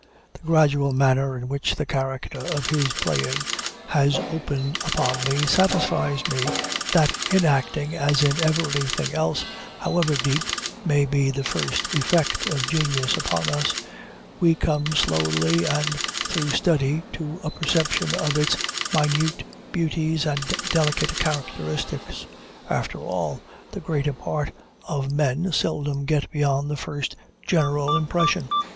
The gradual manner in which the character of his playing has opened upon me satisfies me, that in acting, as in everything else, however deep may be the first effect of genius upon us, we come slowly, and through study, to a perception of its minute beauties and delicate characteristics. After all, the greater part of men seldom get beyond the first general impression.